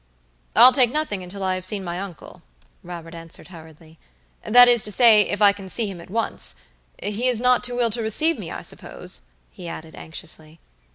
"I'll take nothing until I have seen my uncle," Robert answered, hurriedly; "that is to say, if I can see him at once. He is not too ill to receive me, I suppose?" he added, anxiously.